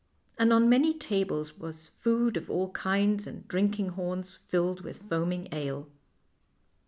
And on many tables was food of all kinds, and drinking horns filled with foaming ale.